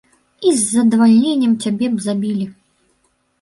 І з задавальненнем цябе б забілі.